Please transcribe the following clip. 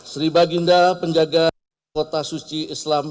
sri baginda penjaga kota suci islam